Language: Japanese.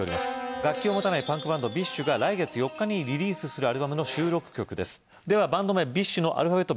楽器を持たないパンクバンド・ＢｉＳＨが来月４日にリリースするアルバムの収録曲ですではバンド名・ＢｉＳＨのアルファベット